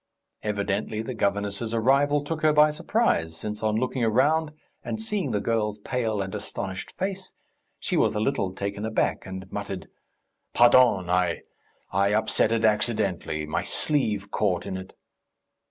Evidently the governess's arrival took her by surprise, since, on looking round and seeing the girl's pale and astonished face, she was a little taken aback, and muttered: "Pardon. I ... I upset it accidentally.... My sleeve caught in it